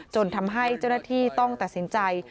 จนทำให้เจ้าหน้าที่ต้องตัดสินใจ